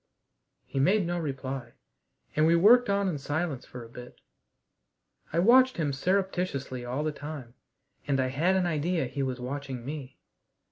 He made no reply, and we worked on in silence for a bit. I watched him surreptitiously all the time, and I had an idea he was watching me.